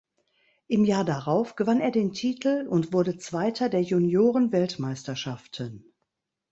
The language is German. Im Jahr darauf gewann er den Titel und wurde Zweiter der Juniorenweltmeisterschaften.